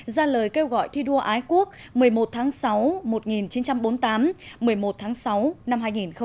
ra lời kêu gọi thi đua ái quốc một mươi một tháng sáu một nghìn chín trăm bốn mươi tám một mươi một tháng sáu năm hai nghìn một mươi chín